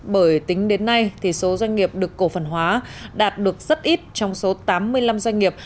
bởi tính đến nay số doanh nghiệp được cổ phần hóa đạt được rất ít trong số tám mươi năm doanh nghiệp